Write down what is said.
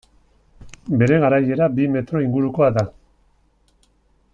Bere garaiera, bi metro ingurukoa da.